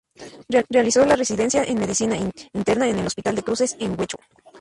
Realizó la residencia en medicina interna en el Hospital de Cruces, en Guecho.